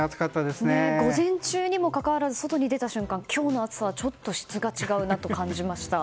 午前中にもかかわらず外に出た瞬間、今日の暑さはちょっと質が違うなと感じました。